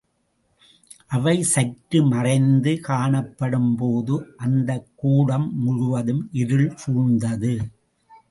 அவை சற்று மறைந்து காணப்படும் போது அந்தக்கூடம் முழுவதும் இருள் சூழ்ந்தது.